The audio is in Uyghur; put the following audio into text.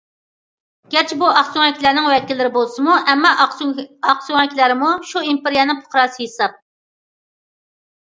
گەرچە بۇ ئاقسۆڭەكلەرنىڭ ۋەكىللىرى بولسىمۇ، ئەمما ئاقسۆڭەكلەرمۇ شۇ ئىمپېرىيەنىڭ پۇقراسى ھېساب.